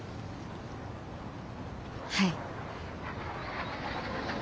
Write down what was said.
はい。